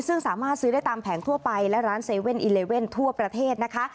ซึ่งสามารถซื้อได้ตามแผงทั่วไปและร้าน๗๑๑ทั่วประเทศนะคะ